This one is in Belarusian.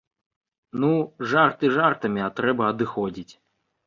Ну, жарты жартамі, а трэба адыходзіць.